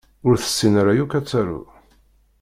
Ur tessin ara yakk ad taru